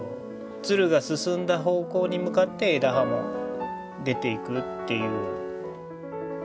蔓が進んだ方向に向かって枝葉も出ていくっていう。